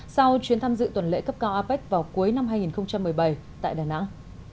sau chuyến tham dự tuần lễ cấp cao apec vào cuối năm hai nghìn một mươi bảy tại đà nẵng